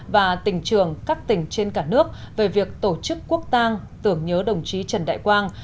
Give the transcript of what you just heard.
và tỉnh trường các tỉnh trên cả nước về việc tổ chức quốc tang tưởng nhớ đồng chí trần đại quang